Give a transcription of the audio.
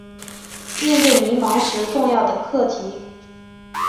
面对迷惘时重要的课题